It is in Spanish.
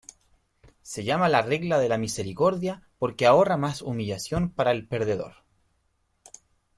Se llama la regla de la misericordia porque ahorra más humillación para el perdedor.